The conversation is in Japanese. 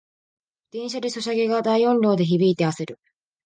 電車でソシャゲが大音量で響いてあせる